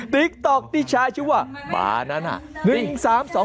ติ๊กต๊อกดิชาชัวร์บ้านั้นน่ะ